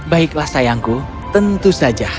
baiklah sayangku tentu saja